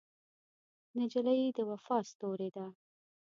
نجلۍ د وفا ستورې ده.